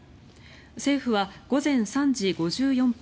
政府は午前３時５４分